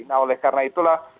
nah oleh karena itulah